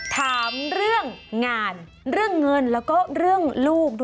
ถามเรื่องงานเรื่องเงินแล้วก็เรื่องลูกด้วย